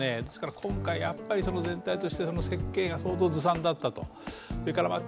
今回、全体として設計が相当ずさんだったと。